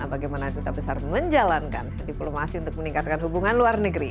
bagaimana duta besar menjalankan diplomasi untuk meningkatkan hubungan luar negeri